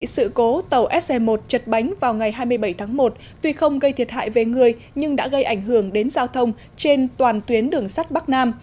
sự cố tàu se một chật bánh vào ngày hai mươi bảy tháng một tuy không gây thiệt hại về người nhưng đã gây ảnh hưởng đến giao thông trên toàn tuyến đường sắt bắc nam